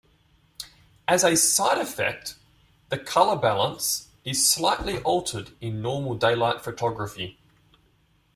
As a side effect, the color balance is slightly altered in normal daylight photography.